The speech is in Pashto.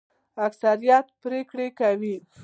اکثریت پریکړه کوي